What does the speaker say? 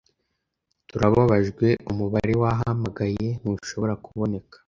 Turababajwe. Umubare wahamagaye ntushobora kuboneka.